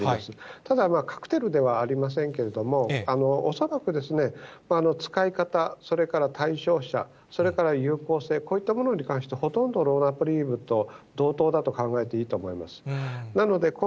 ただ、カクテルではありませんけれども、恐らく使い方、それから対象者、それから有効性、こういったものに関して、ほとんどロナプリーブと同等だと考えていいと思います。